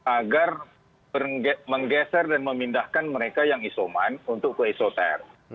agar menggeser dan memindahkan mereka yang isoman untuk ke isoter